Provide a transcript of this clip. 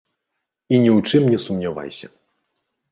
І ні ў чым не сумнявайся.